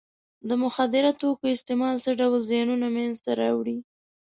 د مخدره توکو استعمال څه ډول زیانونه منځ ته راوړي.